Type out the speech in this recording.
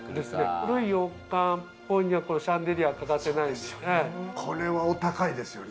古い洋館っぽくするにはシャンデリアは欠かせないですね。